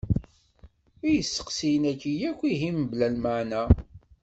I yisteqsiyen-aki akk ihi mebla lmaɛna?